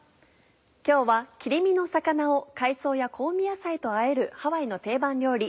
今日は切り身の魚を海藻や香味野菜とあえるハワイの定番料理